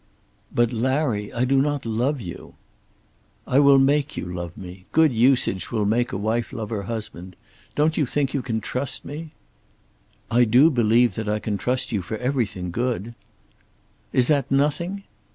"But, Larry, I do not love you." "I will make you love me. Good usage will make a wife love her husband. Don't you think you can trust me?" "I do believe that I can trust you for everything good." "Is that nothing?"